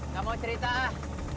kamu cerita ah